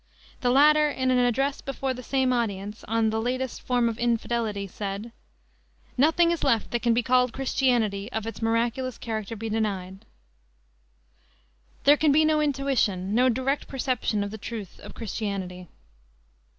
The latter in an address before the same audience, on the Latest Form of Infidelity, said: "Nothing is left that can be called Christianity if its miraculous character be denied. ... There can be no intuition, no direct perception of the truth of Christianity."